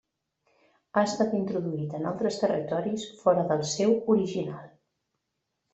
Ha estat introduït en altres territoris fora del seu original.